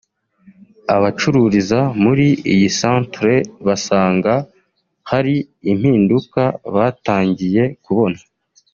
abacururiza muri iyi centre basanga hari impinduka batangiye kubona